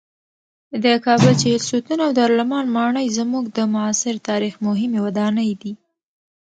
د کابل د چهلستون او دارالامان ماڼۍ زموږ د معاصر تاریخ مهمې ودانۍ دي.